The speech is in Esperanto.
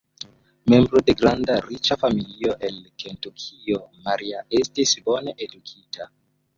Membro de granda, riĉa familio el Kentukio, Maria estis bone edukita.